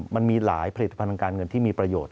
มันมีหลายผลิตภัณฑ์ทางการเงินที่มีประโยชน